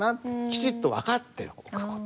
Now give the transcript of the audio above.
きちっと分かっておく事